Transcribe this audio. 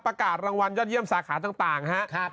ประกาศรางวัลยอดเยี่ยมสาขาต่างครับ